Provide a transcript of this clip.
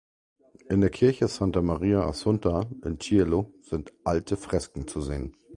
In der Kirche Santa Maria Assunta in Cielo sind alte Fresken zu sehen.